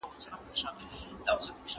موږ ته په کار ده چي نړۍ ته مینه ورکړو.